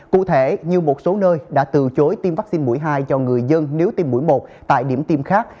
cụ thể như một số nơi đã từ chối tiêm vaccine mũi hai cho người dân nếu tiêm mũi một tại điểm tiêm khác